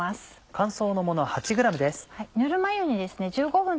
乾燥のもの８ｇです。